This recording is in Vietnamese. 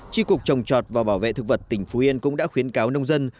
tri cục trồng chọt và bảo vệ thực vật tỉnh phú yên cũng đã khuyến cáo nông dân